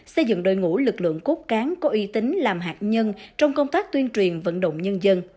xây dựng đội ngũ lực lượng cốt cán có y tính làm hạt nhân trong công tác tuyên truyền vận động nhân dân